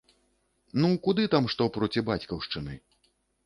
Ну куды там што проці бацькаўшчыны?!